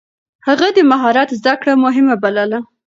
هغه د مهارت زده کړه مهمه بلله.